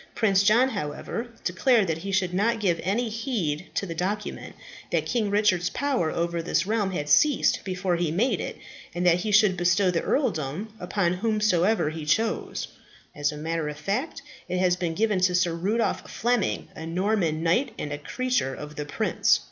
Prince John, however, declared that he should not give any heed to the document; that King Richard's power over this realm had ceased before he made it; and that he should bestow the earldom upon whomsoever he chose. As a matter of fact, it has been given to Sir Rudolph Fleming, a Norman knight and a creature of the prince.